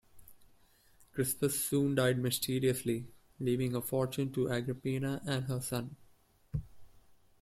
Crispus soon died mysteriously, leaving a fortune to Agrippina and her son.